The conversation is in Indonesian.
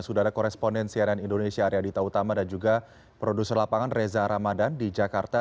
sudah ada koresponden cnn indonesia arya dita utama dan juga produser lapangan reza ramadan di jakarta